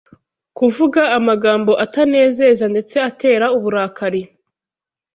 kuvuga amagambo atanezeza ndetse atera uburakari